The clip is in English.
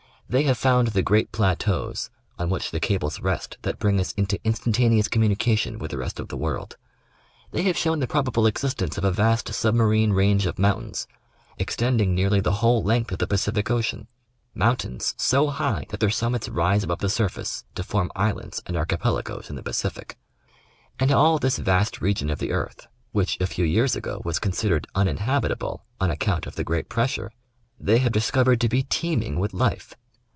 They have found the great plateaus on which the cables rest that bring us into instantaneous communication with the rest of the world. They have shown the probable existence of a vast submarine range of mountains, extending nearly the whole length of the Pacific Ocean— mountains so high that their summits rise above the sur face to form islands and archipelagoes in the Pacific. And all this vast region of the earth, which, a few years ago, was con sidered uninhabitable on account of the great pressure, they have discovered to be teeming with life.